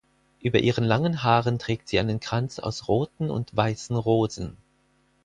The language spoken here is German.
Über ihren langen Haaren trägt sie einen Kranz aus roten und weißen Rosen.